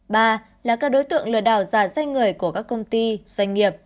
ba là các đối tượng lừa đảo giả danh người của các công ty doanh nghiệp